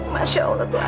masya allah tuhan